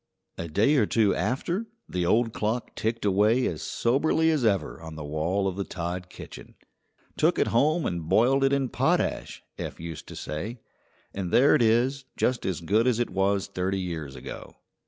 A day or two after the old clock ticked away as soberly as ever on the wall of the Todd kitchen. "Took it home and boiled it in potash," Eph used to say; "and there it is, just as good as it was thirty years ago."